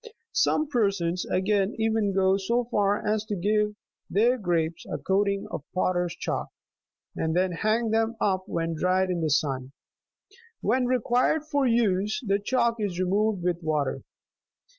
Some persons again even go so far as to give their grapes a coating of potters' chalk, and then hang them up when dried in the sun ; when required for use, the chalk is removed with water.